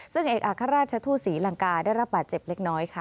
ซึ่งเอกอัครราชทูตศรีลังกาได้รับบาดเจ็บเล็กน้อยค่ะ